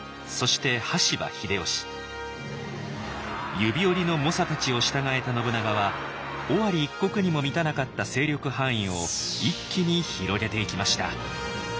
指折りの猛者たちを従えた信長は尾張一国にも満たなかった勢力範囲を一気に広げていきました。